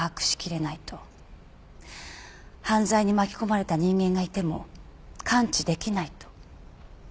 犯罪に巻き込まれた人間がいても関知できないと。